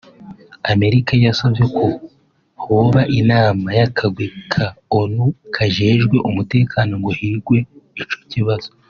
Amerika yasavye ko hoba inama y'akagwi ka Onu kajejwe umutekano ngo higwe ico kibazo